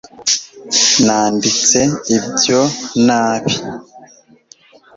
nanditse ibyo nabi